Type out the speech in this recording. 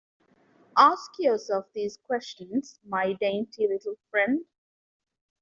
Ask yourself these questions, my dainty little friend!